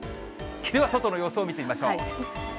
では外の様子を見てみましょう。